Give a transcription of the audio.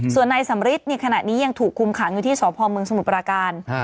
ส่วนนายสำริทในขณะนี้ยังถูกคุมขังอยู่ที่สพเมืองสมุทรปราการ